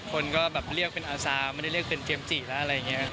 คนก็แบบเรียกเป็นอาซาไม่ได้เรียกเป็นเจมส์จิแล้วอะไรอย่างนี้